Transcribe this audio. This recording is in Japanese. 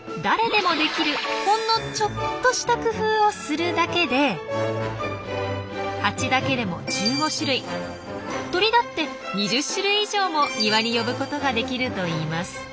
誰でもできるほんのちょっとした工夫をするだけでハチだけでも１５種類鳥だって２０種類以上も庭に呼ぶことができるといいます。